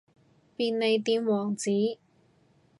便利店王子